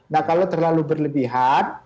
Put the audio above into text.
nah kalau terlalu berlebihan